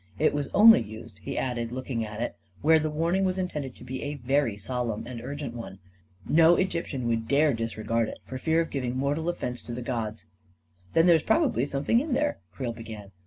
It was only used," he added, looking at it, " where the warning was intended to be a very sol emn and urgent one. No Egyptian would dare dis regard it, for fear of giving mortal offense to the gods." 41 Then there's probably something in there," Creel began